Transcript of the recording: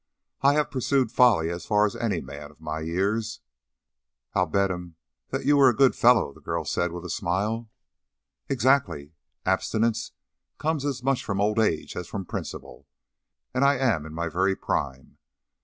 I have pursued folly as far as any man of my years." "I bet him that you were a good fellow," the girl said, with a smile. "Exactly! Abstinence comes as much from old age as from principle, and I am in my very prime.